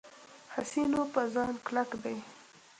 حسینو په ځان کلک دی.